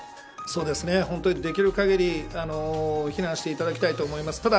そうですね、できるかぎり避難していただきたいと思います。